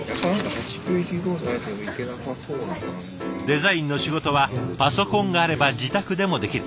デザインの仕事はパソコンがあれば自宅でもできる。